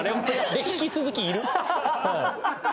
で引き続きいる。